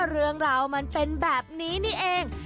เรื่องราวมันเป็นแบบนี้นี่เอง